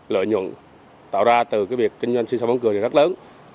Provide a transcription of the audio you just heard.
lợi nhuận tạo ra từ việc kinh doanh xì xa bóng cười rất lớn